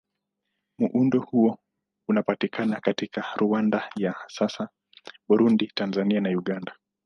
Muundo huo unapatikana katika Rwanda ya sasa, Burundi, Tanzania na Uganda.